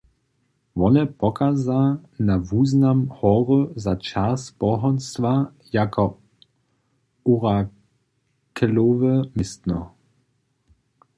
Wone pokaza na wuznam hory za čas pohanstwa jako orakelowe městno.